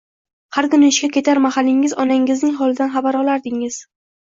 Har kuni ishga ketar mahalingiz onangizning holidan xabar olardingiz